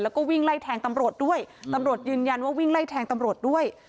แล้วก็วิ่งไล่แทงตำรวจด้วยตำรวจยืนยันว่าวิ่งไล่แทงตำรวจด้วย